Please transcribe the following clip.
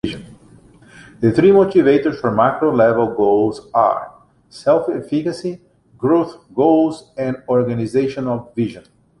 The three motivators for macro-level goals are: self-efficacy, growth goals, and organizational vision.